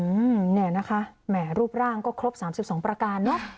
อืมนี่นะคะแหมรูปร่างก็ครบ๓๒ประการเนอะ